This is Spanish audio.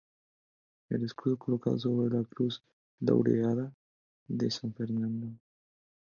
El escudo colocado sobre la Cruz Laureada de San Fernando.